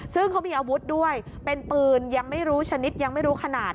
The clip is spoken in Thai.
ซึ่งเขามีอาวุธด้วยเป็นปืนยังไม่รู้ชนิดยังไม่รู้ขนาด